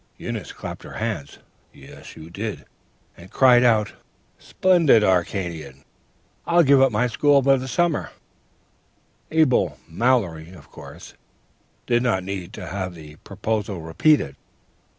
"Eunice clapped her hands (yes, you did!) and cried out, "'Splendid! Arcadian! I'll give up my school for the summer.' ... "Abel Mallory, of course, did not need to have the proposal repeated.